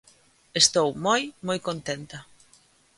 Estou moi, moi contenta.